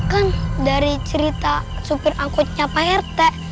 kan dari cerita supir angkutnya parete